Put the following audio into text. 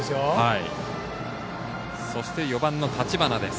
そして４番の立花です。